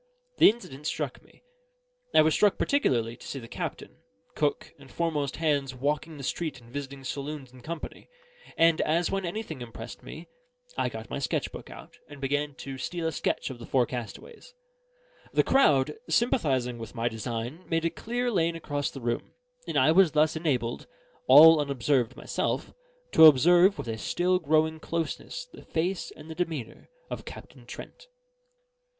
The incident struck me; I was struck particularly to see captain, cook, and foremost hands walking the street and visiting saloons in company; and, as when anything impressed me, I got my sketch book out, and began to steal a sketch of the four castaways. The crowd, sympathising with my design, made a clear lane across the room; and I was thus enabled, all unobserved myself, to observe with a still growing closeness the face and the demeanour of Captain Trent.